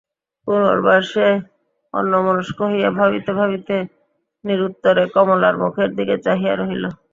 পুনর্বার সে অন্যমনস্ক হইয়া ভাবিতে ভাবিতে নিরুত্তরে কমলার মুখের দিকে চাহিয়া রহিল।